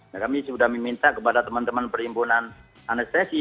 nah kami sudah meminta kepada teman teman perhimpunan anestesi